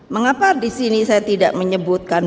mengapa disini saya tidak menyebutkan